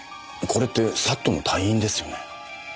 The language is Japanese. これってＳＡＴの隊員ですよね。